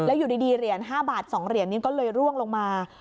แล้วอยู่ดีดีเหรียญห้าบาทสองเหรียญนี่ก็เลยร่วงลงมา